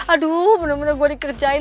aduh bener bener gue dikerjain